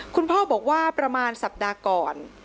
คุณพ่อบอกว่าประมาณสัปดาห์ก่อน